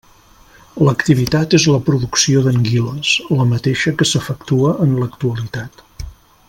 L'activitat és la producció d'anguiles, la mateixa que s'efectua en l'actualitat.